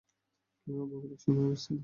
খিলগাঁও ভৌগোলিক সীমায় অবস্থিত।